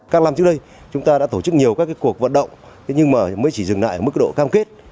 các năm trước đây chúng ta đã tổ chức nhiều các cuộc vận động thế nhưng mà mới chỉ dừng lại ở mức độ cam kết